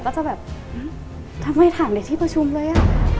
ก็จะว่าหืมทำไมถามในที่ประชุมเลย